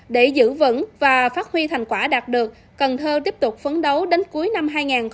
để giữ vững và phát huy thành quả đạt được cần thơ tiếp tục phấn đấu đến cuối năm hai nghìn hai mươi